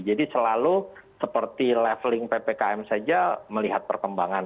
jadi selalu seperti leveling ppkm saja melihat perkembangan